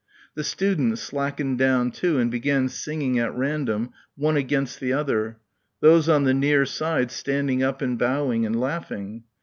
The students slackened down too and began singing at random, one against the other; those on the near side standing up and bowing and laughing.